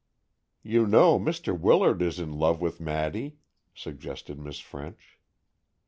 "You know Mr. Willard is in love with Maddy," suggested Miss French.